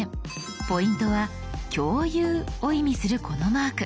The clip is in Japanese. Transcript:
ポイントは「共有」を意味するこのマーク。